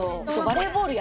バレーボール？